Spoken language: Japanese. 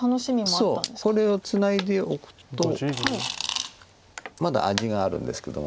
そうこれをツナいでおくとまだ味があるんですけども。